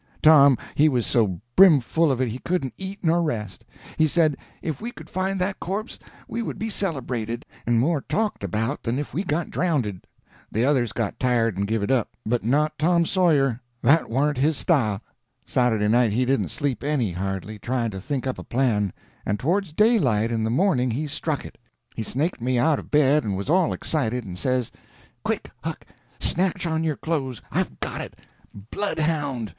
Tom he was so brimful of it he couldn't eat nor rest. He said if we could find that corpse we would be celebrated, and more talked about than if we got drownded. The others got tired and give it up; but not Tom Sawyer—that warn't his style. Saturday night he didn't sleep any, hardly, trying to think up a plan; and towards daylight in the morning he struck it. He snaked me out of bed and was all excited, and says: "Quick, Huck, snatch on your clothes—I've got it! Bloodhound!"